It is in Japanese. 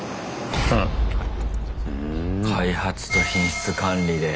開発と品質管理で。